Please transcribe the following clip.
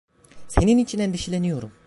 Senin için endişeleniyorum.